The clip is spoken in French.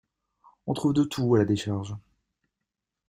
On trouve de tout à la décharge.